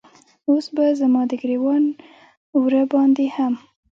اوس به زما د ګریوان وره باندې هم